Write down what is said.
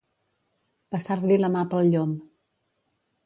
Passar-li la mà pel llom.